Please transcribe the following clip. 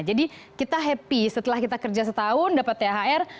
jadi kita happy setelah kita kerja setahun dapat thr